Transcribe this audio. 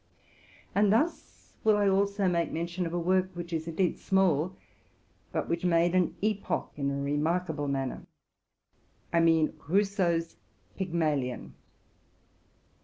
And thus will I also make mention of a work, which is indeed small, but which made an epoch in a remarkable man ner, — I mean Rousseau's Pygmalion.